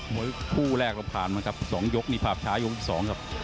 มวยคู่แรกเราผ่านมาครับ๒ยกนี่ภาพช้ายกที่๒ครับ